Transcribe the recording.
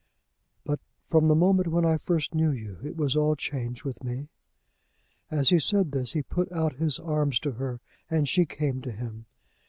"But from the moment when I first knew you it was all changed with me." As he said this he put out his arms to her, and she came to him.